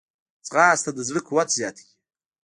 ځغاسته د زړه قوت زیاتوي